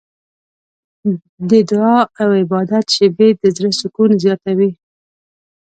د دعا او عبادت شېبې د زړه سکون زیاتوي.